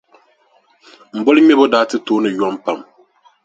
M boliŋmɛbo daa ti tooni yom pam.